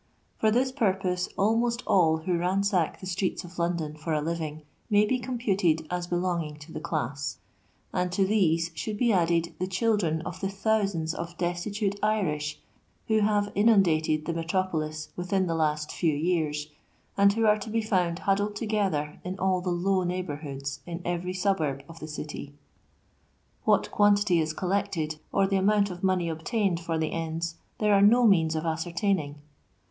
For this purpose almost all who ransack the streets of London for a linng may be computed as belonginff to the class; and to these should be added the children of the thousands of destitute Irish who have inundated the metropolis within the last few years, and who are to be found huddled together in all the low neighbourhoods in every suburb of the City. What quantity is collected, or the amount of money obtaineid for the ends, there are no means of ascertaining.